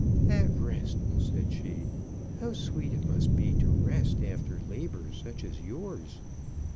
"At rest!" said she. "How sweet it must be to rest after labours such as yours!